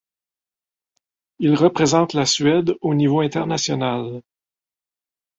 Il représente le Suède au niveau international.